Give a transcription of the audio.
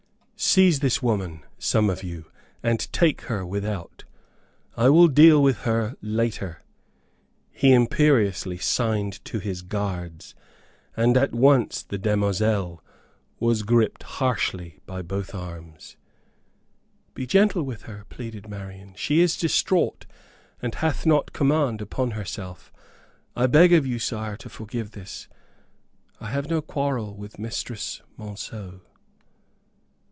Seize this woman, some of you, and take her without. I will deal with her later." He imperiously signed to his guards, and at once the demoiselle was gripped harshly by both arms. "Be gentle with her," pleaded Marian; "she is distraught, and hath not command upon herself. I beg of you, sire, to forgive this; I have no quarrel with Mistress Monceux."